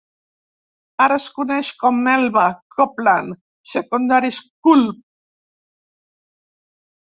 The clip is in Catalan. Ara es coneix com Melba Copland Secondary School.